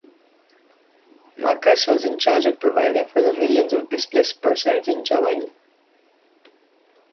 Marcus was in charge of providing for the millions of displaced persons in Germany.